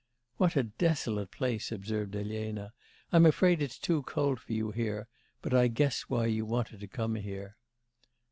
'What a desolate place!' observed Elena 'I'm afraid it's too cold for you here, but I guess why you wanted to come here.